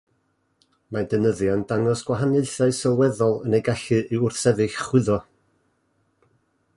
Mae deunyddiau'n dangos gwahaniaethau sylweddol yn eu gallu i wrthsefyll chwyddo.